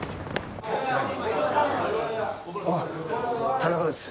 田中です。